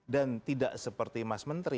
dan tidak seperti mas mentri